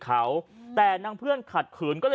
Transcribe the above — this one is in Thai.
ชาวบ้านญาติโปรดแค้นไปดูภาพบรรยากาศขณะ